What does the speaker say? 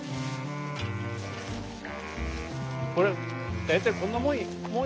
これ大体こんなもんやろかな？